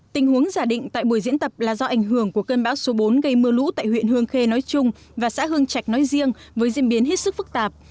tình huống giả định tại buổi diễn tập là do ảnh hưởng của cơn bão số bốn gây mưa lũ tại huyện hương khê nói chung và xã hương trạch nói riêng với diễn biến hết sức phức tạp